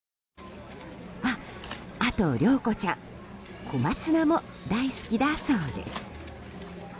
あ、あと、りょうこちゃん小松菜も大好きだそうです。